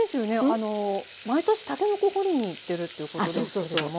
あの毎年たけのこ堀りに行ってるということですけども。